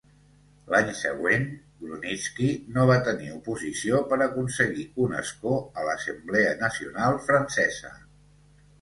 L'any següent, Grunitzky no va tenir oposició per aconseguir un escó a l'Assemblea Nacional francesa.